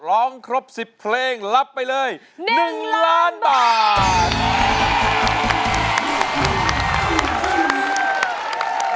ร้องครบ๑๐เพลงรับไปเลย๑ล้านบาท